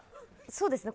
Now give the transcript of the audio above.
そうですね